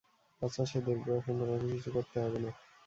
আচ্ছা সে দেখব এখন, তোমাকে কিছু করতে হবে না।